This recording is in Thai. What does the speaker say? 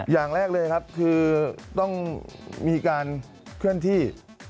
อย่างแรกเลยครับคือต้องมีการเคลื่อนที่